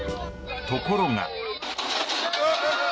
ところが。